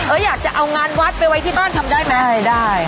อยากจะเอางานวัดไปไว้ที่บ้านทำได้ไหมได้